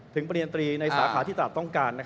ถึงประเด็นตรีในสาขาที่ตราบต้องการ